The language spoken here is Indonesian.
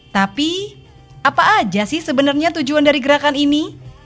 tapi apa aja sih sebenarnya tujuan dari gerakan ini